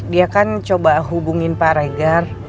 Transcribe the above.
dia kan coba hubungin pak regar